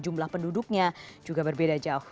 jumlah penduduknya juga berbeda jauh